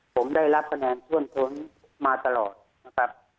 ผมได้รับคะแนนท่วมท้นมาตลอดนะครับ